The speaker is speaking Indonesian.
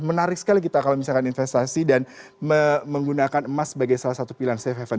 menarik sekali kita kalau misalkan investasi dan menggunakan emas sebagai salah satu pilihan safe haven